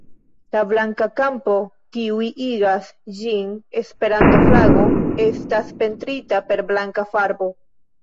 La blanka kampo, kiuj igas ĝin Esperanto-flago, estas pentrita per blanka farbo.